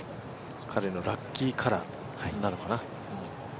彼のラッキーカラーなのかな。